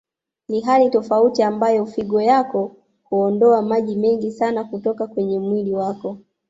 Ni hali tofauti ambayo figo yako huondoa maji mengi sana kutoka kwenye mwili wako